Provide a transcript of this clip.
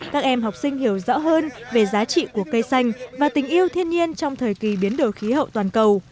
các em học sinh hiểu rõ hơn về giá trị của cây xanh và tình yêu thiên nhiên trong thời kỳ biến đổi khí hậu toàn cầu